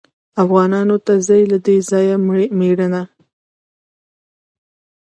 افغانانو ته ځي له دې ځایه مړینه